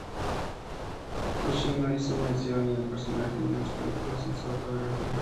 Cushing no hizo mención ni al personaje ni a las películas en su autobiografía.